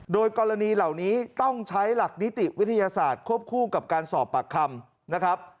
โดยกรณีเหล่านี้ต้องใช้หลักนิติวิทยาศาสตร์ควบคู่กับการสอบปากคำนะครับ